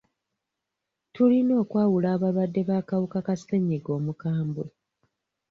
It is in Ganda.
Tuyina okwawula abalwadde b'akawuka ka ssenyiga omukambwe.